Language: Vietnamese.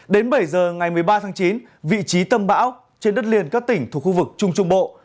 đến bảy giờ ngày một mươi ba tháng chín vị trí tâm bão trên đất liền các tỉnh thuộc khu vực trung trung bộ